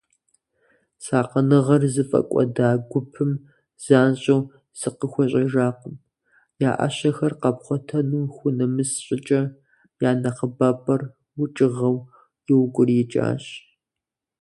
Сакъыныгъэр зыфӀэкӀуэда гупым занщӀэу зыкъыхуэщӀэжакъым, я Ӏэщэхэр къапхъуэтэну хунэмыс щӀыкӀэ, я нэхъыбапӀэр укӀыгъэу иукӀуриикӀащ.